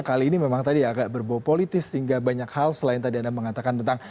kali ini memang tadi agak berbau politis sehingga banyak hal selain tadi anda mengatakan tentang